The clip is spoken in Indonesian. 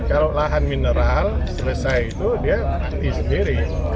kalau lahan mineral selesai itu dia mati sendiri